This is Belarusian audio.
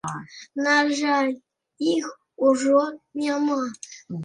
На жаль, іх ужо няма.